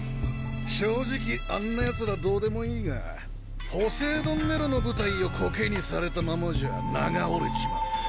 正直あんなヤツらどうでもいいがポセイドン・ネロの部隊をコケにされたままじゃ名が折れちまう。